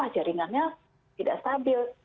jaringannya tidak stabil